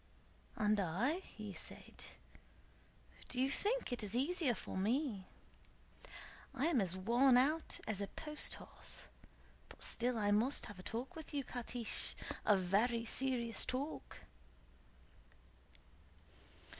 "And I?" he said; "do you think it is easier for me? I am as worn out as a post horse, but still I must have a talk with you, Catiche, a very serious talk."